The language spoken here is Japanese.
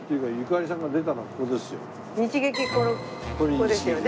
日劇ここですよね。